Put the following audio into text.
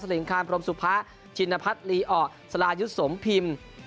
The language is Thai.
ลิงคารพรมสุพะชินพัฒน์ลีอ่อสรายุทธ์สมพิมพ์